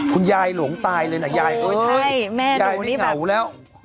คุณยายหลงตายเลยยายไม่เหงาแล้ว